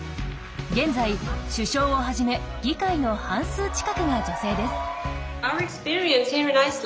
現在首相をはじめ議会の半数近くが女性です。